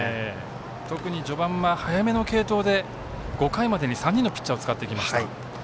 特に序盤は早めの継投で５回までに３人のピッチャーを使ってきました。